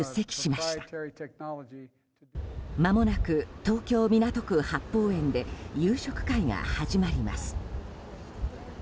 まもなく東京・港区八芳園で夕食会が始まります。